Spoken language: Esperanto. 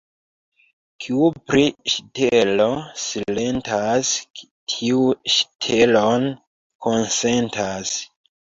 Kiu pri ŝtelo silentas, tiu ŝtelon konsentas.